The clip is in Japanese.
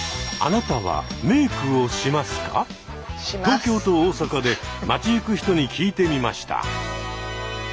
東京と大阪で街行く人に聞いてみました。